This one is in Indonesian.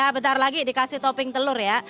bentar lagi dikasih topping telur ya